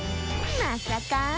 まさかあ！